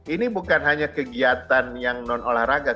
ini bukan hanya kegiatan yang non olahraga